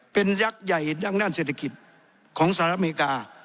เป็นยักษ์ใหญ่ด้านเศรษฐกิจของสหรัฐอเมริกา